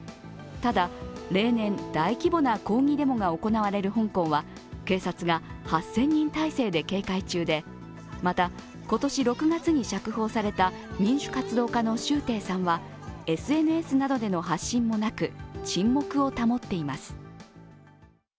ただ、例年、大規模な抗議デモが行われる香港は警察が８０００人態勢で警戒中で、また今年６月に釈放された民主活動家の周庭さんはＳＮＳなどでの発信もなく沈黙を保っています。